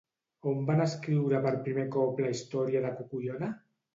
On van escriure per primer cop la història de la Cocollona?